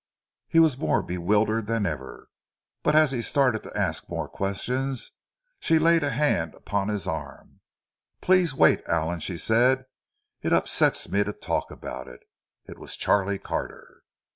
He was more bewildered than ever. But as he started to ask more questions, she laid a hand upon his arm. "Please wait, Allan," she said. "It upsets me to talk about it. It was Charlie Carter."